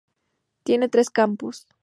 Tiene tres campus.